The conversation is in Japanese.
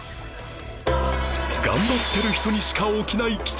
頑張ってる人にしか起きない奇跡もある